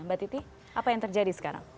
mbak titi apa yang terjadi sekarang